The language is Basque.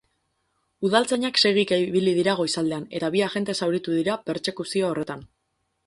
Udaltzainak segika ibili dira goizaldean, eta bi agente zauritu dira pertsekuzio horretan.